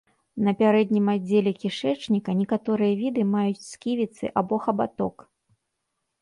На пярэднім аддзеле кішэчніка некаторыя віды маюць сківіцы або хабаток.